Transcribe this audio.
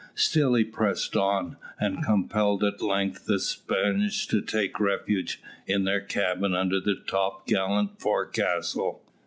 Still he pressed on, and compelled at length the Spaniards to take refuge in their cabin under the topgallant forecastle.